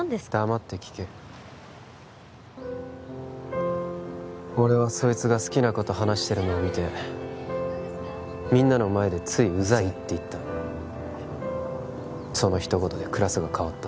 黙って聞け俺はそいつが好きな子と話してるのを見てみんなの前でつい「うざい」って言ったその一言でクラスが変わった